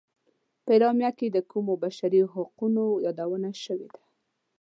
په اعلامیه کې د کومو بشري حقونو یادونه شوې ده.